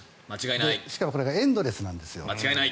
しかも、それがエンドレスなんですよ。